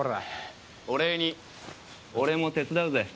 お礼に俺も手伝うぜ。